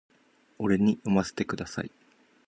俺に読ませてください